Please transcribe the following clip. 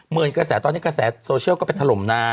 กระแสตอนนี้กระแสโซเชียลก็ไปถล่มนา